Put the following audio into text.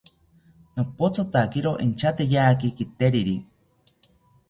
Nopothotakiro inchateyaki kiteriri